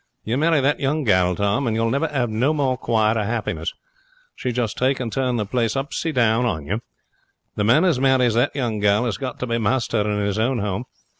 You marry that young gal, Tom, and you'll never have no more quiet and happiness. She'd just take and turn the place upsy down on you. The man as marries that young gal has got to be master in his own home.